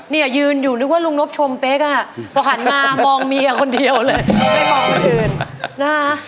เนี่ยยืนอยู่นึกว่าลุงนบชมเป๊กอ่ะพอหันมามองเมียคนเดียวเลยไม่มองคนอื่นนะคะ